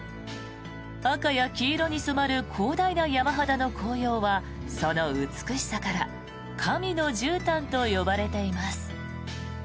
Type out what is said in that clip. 赤や黄色に染まる広大な山肌の紅葉はその美しさから神のじゅうたんと呼ばれています。